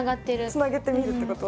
つなげて見るってこと？